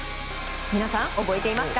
皆さん、覚えていますか？